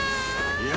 いや。